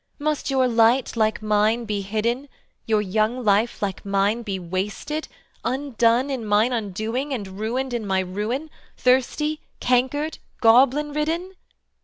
Must your light like mine be hidden, Your young life like mine be wasted, Undone in mine undoing And ruined in my ruin, Thirsty, cankered, goblin ridden?"